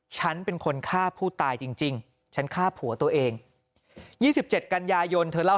ฉันเป็นคนฆ่าผู้ตายจริงฉันฆ่าผัวตัวเอง๒๗กันยายนเธอเล่า